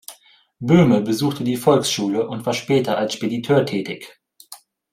Böhme besuchte die Volksschule und war später als Spediteur tätig.